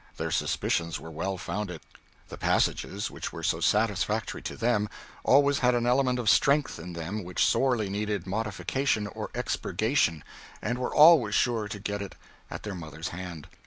Their suspicions were well founded. The passages which were so satisfactory to them always had an element of strength in them which sorely needed modification or expurgation, and were always sure to get it at their mother's hand.